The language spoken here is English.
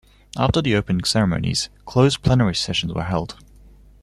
After the opening ceremonies, closed plenary sessions were held.